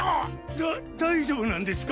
だっ大丈夫なんですか？